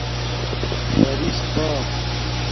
برِس پا